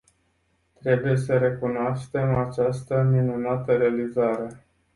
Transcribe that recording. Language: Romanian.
Trebuie să recunoaștem această minunată realizare.